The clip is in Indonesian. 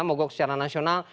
moga secara nasional